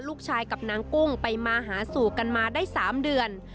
กับนางกุ้งไปมาหาสู่กันมาได้๓เดือน